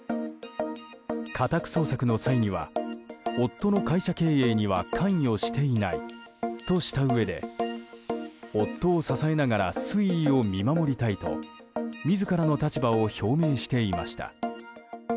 家宅捜索の際には夫の会社経営には関与していないとしたうえで夫を支えながら推移を見守りたいと自らの立場を表明していました。